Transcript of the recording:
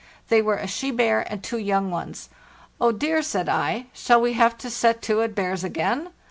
They were a she bear and two young ones. "Oh dear!" said I; "shall we have to set to at bears again?"